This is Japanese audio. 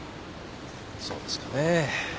そうですかねぇ。